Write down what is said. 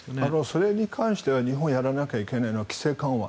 それに関しては日本はやらなきゃいけないのは規制緩和。